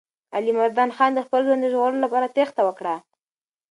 علیمردان خان د خپل ژوند د ژغورلو لپاره تېښته وکړه.